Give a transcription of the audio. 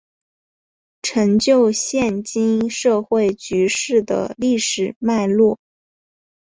成就现今社会局势的历史脉络